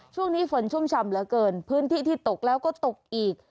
ช่วงนี้ฝนชุ่มฉ่ำเหลือเกินพื้นที่ที่ตกแล้วก็ตกอีก